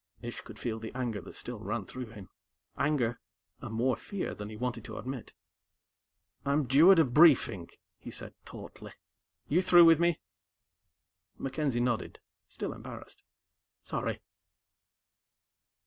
Ish could feel the anger that still ran through him anger, and more fear than he wanted to admit. "I'm due at a briefing," he said tautly. "You through with me?" MacKenzie nodded, still embarrassed. "Sorry."